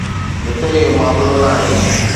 هتي اهو معاملو ناهي